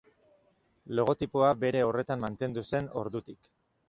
Logotipoa bere horretan mantendu zen ordutik.